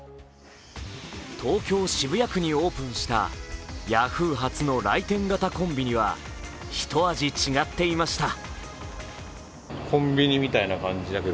東京・渋谷区にオープンしたヤフー初の来店型コンビニはひと味違っていました。